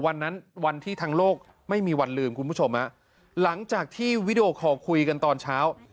วันที่ทางโลกไม่มีวันลืมคุณผู้ชมฮะหลังจากที่วิดีโอคอลคุยกันตอนเช้า